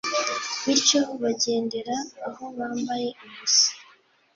bityo bagendera aho bambaye ubusa